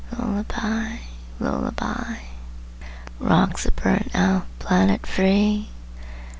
Lullabye lullabye " Rocks the burnt out planet free!